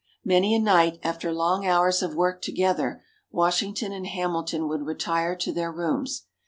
Many a night, after long hours of work together, Washington and Hamilton would retire to their rooms.